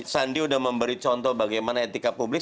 sandi sudah memberi contoh bagaimana etika publik